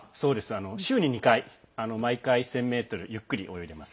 週に２回、毎回１０００ｍゆっくり泳いでます。